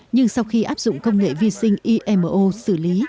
nhưng sau khi áp dụng công nghệ vi sinh imo xử lý